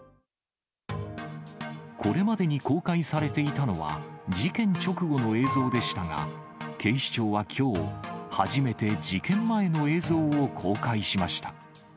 これまでに公開されていたのは、事件直後の映像でしたが、警視庁はきょう、初めて事件前の映像を公開しました。